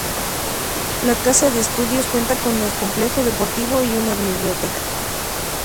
La casa de estudios cuenta con el complejo deportivo y una biblioteca.